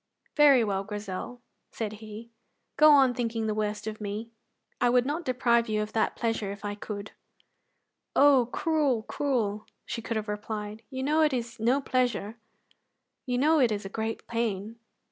"Very well, Grizel," he said, "go on thinking the worst of me; I would not deprive you of that pleasure if I could." "Oh, cruel, cruel!" she could have replied; "you know it is no pleasure; you know it is a great pain."